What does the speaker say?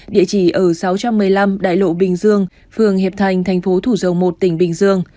địa chỉ ở sáu trăm một mươi năm đại lộ bình dương phường hiệp thành thành phố thủ dầu một tỉnh bình dương